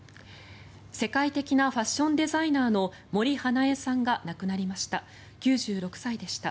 世界的なファッションデザイナーの森英恵さんが亡くなりました。